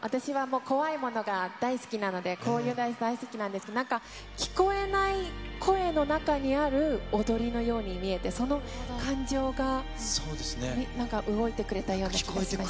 私は怖いものが大好きなので、こういうダンス、大好きなんですけれども、なんか聞こえない声の中にある踊りのように見えて、その感情が、なんか動いてくれたような気がしました。